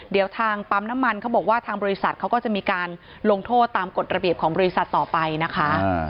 เดี๋ยวทางปั๊มน้ำมันเขาบอกว่าทางบริษัทเขาก็จะมีการลงโทษตามกฎระเบียบของบริษัทต่อไปนะคะ